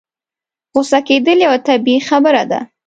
غوسه کېدل يوه طبيعي خبره ده.